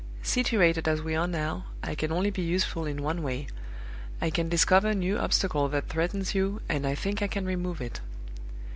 Situated as we are now, I can only be useful in one way. I can discover a new obstacle that threatens you, and I think I can remove it.